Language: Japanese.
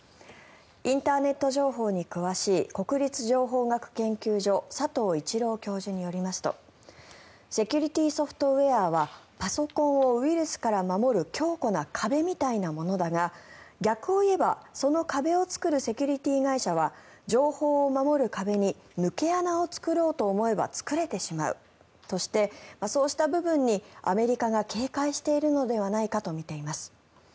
インターネット情報に詳しい国立情報学研究所佐藤一郎教授によりますとセキュリティーソフトウェアはパソコンをウイルスから守る強固な壁みたいなものだが逆を言えば、その壁を作るセキュリティー会社は情報を守る壁に抜け穴を作ろうと思えば作れてしまうとしてそうした部分にアメリカが警戒しているのではないかと見ています。